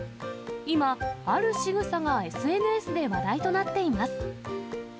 今、あるしぐさがＳＮＳで話題となっています。